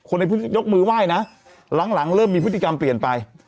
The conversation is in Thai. คนในพื้นที่ยกมือไหว้นะหลังเริ่มมีพฤติกรรมเปลี่ยนไป